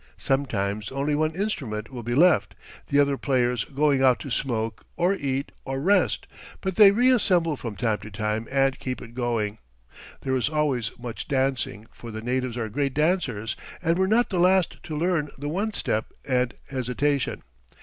Sometimes only one instrument will be left, the other players going out to smoke, or eat, or rest; but they reassemble from time to time and keep it going. There is always much dancing, for the natives are great dancers and were not the last to learn the one step and hesitation.